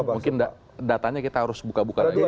mungkin datanya kita harus buka buka lagi